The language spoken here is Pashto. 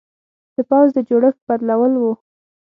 د پوځ د جوړښت بدلول و.